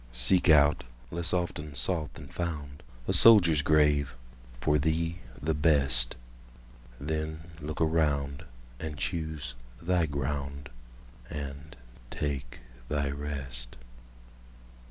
Seek out—less often sought than found—A soldier's grave, for thee the best; Then look around, and choose thy ground, And take thy rest.